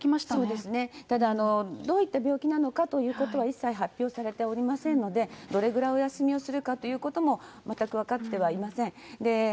そうですね、ただ、どういった病気なのかということは一切発表されておりませんので、どれぐらいお休みをするかということも、全く分かってはいません。